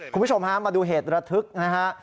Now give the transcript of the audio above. คุณผู้ชมฮะมาดูเหตุระทึกนะฮะ